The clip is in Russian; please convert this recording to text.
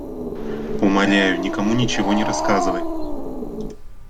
Умоляю, никому ничего не рассказывай.